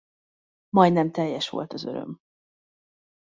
Majdnem teljes volt az öröm.